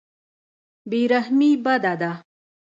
بې رحمي بده ده.